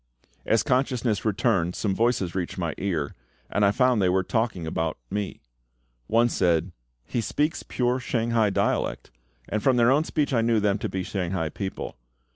As consciousness returned some voices reached my ear, and I found they were talking about me. One said, "He speaks pure Shanghai dialect," and from their own speech I knew them to be Shanghai people.